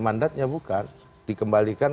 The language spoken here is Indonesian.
mandatnya bukan dikembalikan